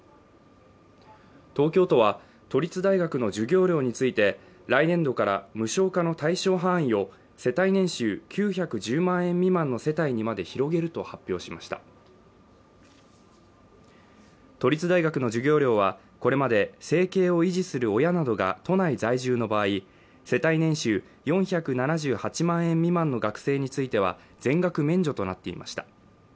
東京都は都立大学の授業料について来年度から無償化の対象範囲を世帯年収９１０万円未満の世帯にまで広げると発表しました都立大学の授業料はこれまで生計を維持する親などが都内在住の場合世帯年収４７８万円未満の学生については全額免除となっていました